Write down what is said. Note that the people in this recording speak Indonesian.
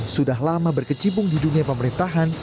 sudah lama berkecimpung di dunia pemerintahan